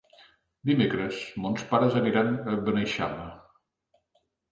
Dimecres mons pares aniran a Beneixama.